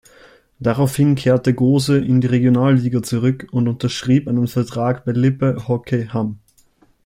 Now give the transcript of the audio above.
Daraufhin kehrte Gose in die Regionalliga zurück und unterschrieb einen Vertrag bei Lippe-Hockey-Hamm.